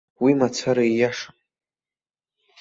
Уи мацара ииашам.